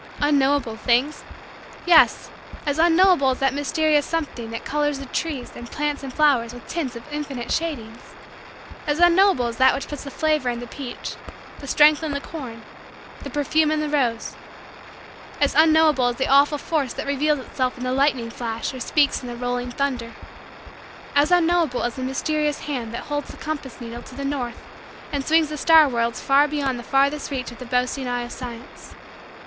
Unknowable things? Yes as unknowable as that mysterious something that colors the trees and plants and flowers with tints of infinite shadings as unknowable as that which puts the flavor in the peach, the strength in the corn, the perfume in the rose as unknowable as the awful force that reveals itself in the lightning flash or speaks in the rolling thunder as unknowable as the mysterious hand that holds the compass needle to the north and swings the star worlds far beyond the farthest reach of the boasting eye of Science.